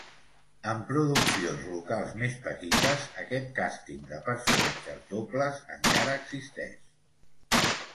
En produccions locals més petites, aquest càsting de personatges dobles encara existeix.